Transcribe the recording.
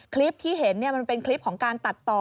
คลิปที่เห็นมันเป็นคลิปของการตัดต่อ